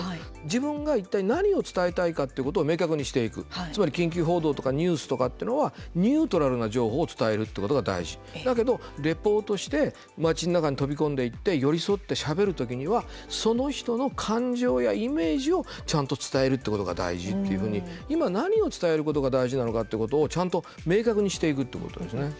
自分がいったい何を伝えたいかっていうことを明確にしていくつまり、緊急報道とかニュースとかっていうのはニュートラルな情報を伝えるってことが大事だけど、レポートして町の中に飛び込んでいって寄り添ってしゃべるときにはその人の感情やイメージをちゃんと伝えるってことが大事っていうふうに、今何を伝えることが大事なのかってことをちゃんと明確にしていくってことですね。